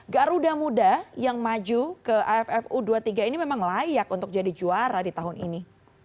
garuda muda yang maju ke aff u dua puluh tiga ini memang layak untuk jadi juara di tahun ini